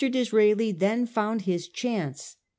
Disraeli then found his chance.